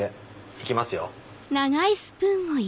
行きますよ。